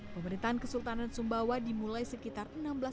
pemerintahan kesultanan sumbawa dimulai sekitar seribu enam ratus empat puluh delapan